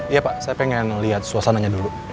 iya pak saya pengen lihat suasananya dulu